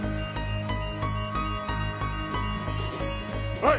おい！